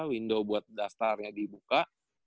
window buat daftarnya dibuka